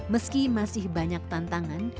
meski masih banyak tantangan